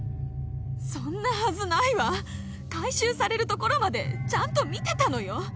そんなはずないわ回収されるところまでちゃんと見てたのよ